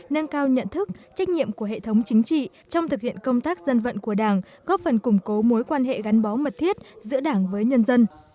nâng cao nhận thức trách nhiệm của hệ thống chính trị trong thực hiện công tác dân vận của đảng góp phần củng cố mối quan hệ gắn bó mật thiết giữa đảng với nhân dân